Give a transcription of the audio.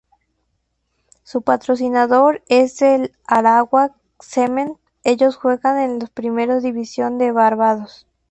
Su patrocinador es el Arawak Cement, ellos juegan en la primera división de barbados.